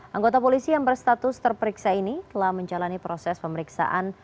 anggota polisi yang berstatus terperiksa ini telah menjalani proses pemeriksaan